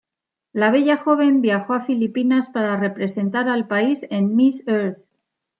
La bella joven viajó a Filipinas para representar al país en Miss Earth.